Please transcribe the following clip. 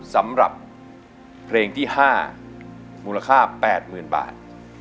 สำหรับเพลงที่ห้ามูลค่าแปดหมื่นบาท